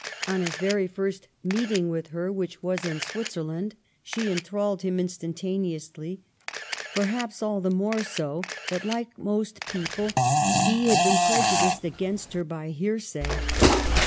On his very first meeting with her, which was in Switzerland, she enthralled him instantaneously ; perhaps all the more so that, like most people, he had been prejudiced against her by hearsay.